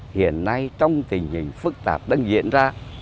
hiện nay trong tình hình phức tạp đang diễn ra